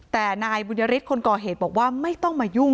แต่นายบุญยฤทธิ์คนก่อเหตุบอกว่าไม่ต้องมายุ่ง